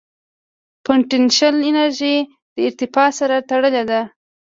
پټنشل انرژي د ارتفاع سره تړلې ده.